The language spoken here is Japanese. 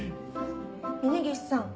峰岸さん